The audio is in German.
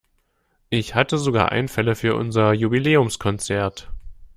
Ich hatte sogar Einfälle für unser Jubiläumskonzert.